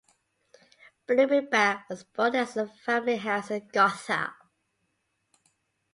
Blumenbach was born at his family house in Gotha.